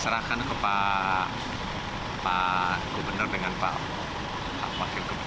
serahkan ke pak gubernur dengan pak wakil gubernur